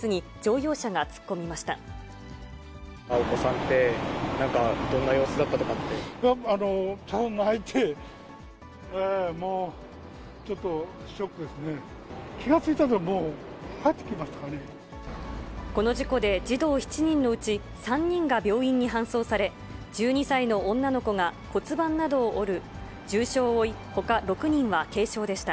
気が付いたときはもう、入ってまこの事故で児童７人のうち、３人が病院に搬送され、１２歳の女の子が骨盤などを折る重傷を負い、ほか６人は軽傷でした。